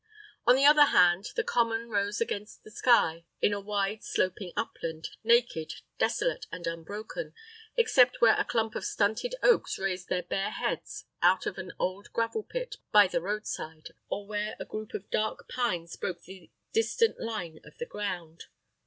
On the other hand, the common rose against the sky in a wide sloping upland, naked, desolate, and unbroken, except where a clump of stunted oaks raised their bare heads out of an old gravel pit by the road side, or where a group of dark pines broke the distant line of the ground.